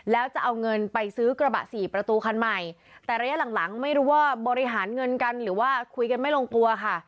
แล้วจะเอาเงินไปซื้อกระบะสี่ประตูคันใหม่แต่ระยะหลังหลังไม่รู้ว่าบริหารเงินกันหรือว่าคุยกันไม่ลงตัวค่ะ